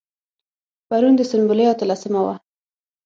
پرون د سنبلې اتلسمه وه.